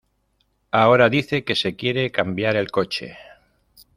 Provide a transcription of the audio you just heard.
Ahora dice que se quiere cambiar el coche.